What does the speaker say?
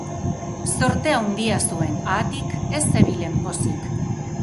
Zorte handia zuen, haatik, ez zebilen pozik.